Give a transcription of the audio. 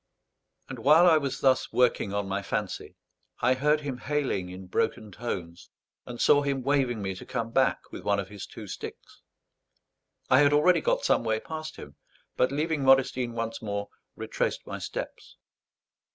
And while I was thus working on my fancy, I heard him hailing in broken tones, and saw him waving me to come back with one of his two sticks. I had already got some way past him; but, leaving Modestine once more, retraced my steps.